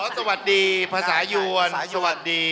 สวัสดีภาษายวร